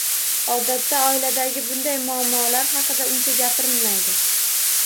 Odatda oiladagi bunday muammolar haqida uncha gapirilmaydi